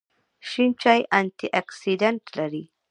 شین چای انټي اکسیډنټ لري